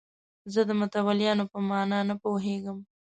زه د متولیانو په معنی نه پوهېدم.